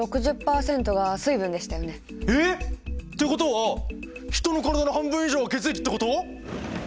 ってことはヒトの体の半分以上は血液ってこと？